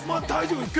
◆大丈夫。